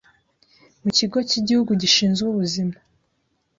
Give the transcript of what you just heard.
mu Kigo k’Igihugu gishinzwe Ubuzima